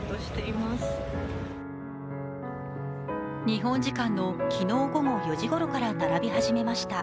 日本時間の昨日午後４時ごろから並び始めました。